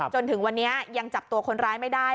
จนถึงวันนี้ยังจับตัวคนร้ายไม่ได้